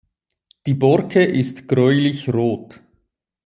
Die Borke ist gräulich-rot.